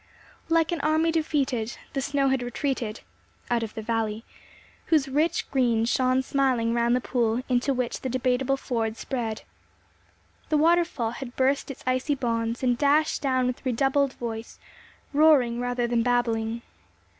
"Like an army defeated, The snow had retreated," out of the valley, whose rich green shone smiling round the pool into which the Debateable Ford spread. The waterfall had burst its icy bonds, and dashed down with redoubled voice, roaring rather than babbling.